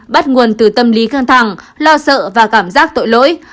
bắt nguồn từ tâm lý căng thẳng lo sợ và cảm giác tội lỗi